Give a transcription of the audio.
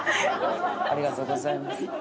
ありがとうございます。